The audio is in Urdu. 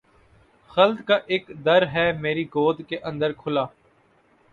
خلد کا اک در ہے میری گور کے اندر کھلا